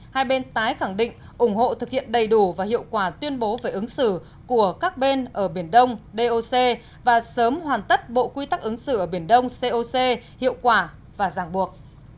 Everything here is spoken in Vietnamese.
hai bên tái khẳng định ủng hộ thực hiện đầy đủ và hiệu quả tuyên bố về ứng xử của các bên ở biển đông doc và sớm hoàn tất bộ quy tắc ứng xử ở biển đông coc hiệu quả và giảng buộc